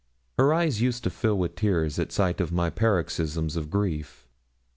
Her eyes used to fill with tears at sight of my paroxysms of grief.